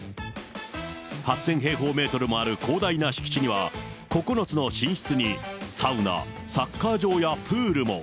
８０００平方メートルもある広大な敷地には、９つの寝室にサウナ、サッカー場やプールも。